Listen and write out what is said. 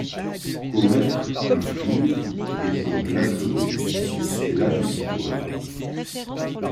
Commettre un crime et s’en blasonner, c’est là toute l’histoire.